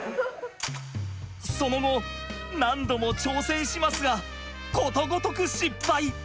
その後何度も挑戦しますがことごとく失敗！